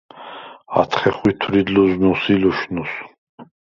ათხე ხვითვრიდ ლჷზნუს ი ლუშნუს.